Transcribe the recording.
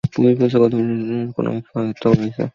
Police বলছে, গতকাল শুক্রবার রাতের কোনো একসময় তাঁকে হত্যা করা হয়।